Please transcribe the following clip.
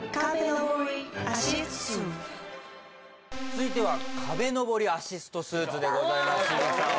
続いては壁登りアシストスーツでございます清水さん